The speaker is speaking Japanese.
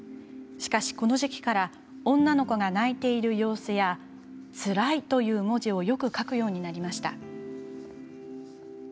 しかし、この時期から女の子が泣いている様子や「つらい」という文字をよく書くようになりました。